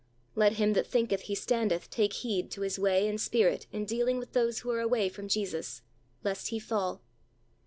"Let him that thinketh he standeth take heed" to his way and spirit in dealing with those who are away from Jesus, "lest he fall."